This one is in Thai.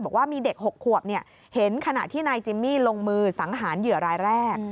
บอกว่ามีเด็ก๖ขวบเห็นขณะที่นายจิมมี่ลงมือสังหารเหยื่อรายแรก